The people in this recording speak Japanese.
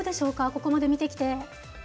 ここまで見てきて。